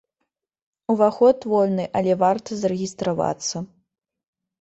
Уваход вольны, але варта зарэгістравацца.